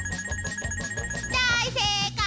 大正解！